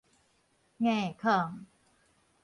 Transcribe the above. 硬勸